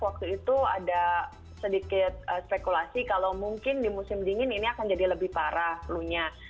waktu itu ada sedikit spekulasi kalau mungkin di musim dingin ini akan jadi lebih parah flu nya